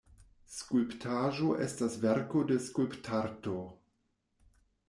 Skulptaĵo estas verko de skulptarto.